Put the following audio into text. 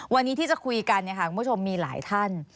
วันนี้ที่จะคุยกันคุณผู้ชมมีหลายท่าน